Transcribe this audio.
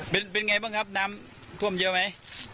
เป็นไงบ้างครับน้ำท่วมเยอะไหม